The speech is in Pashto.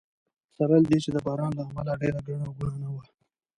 سره له دې چې د باران له امله ډېره ګڼه ګوڼه نه وه.